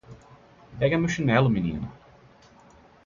Pega meu chinelo menina.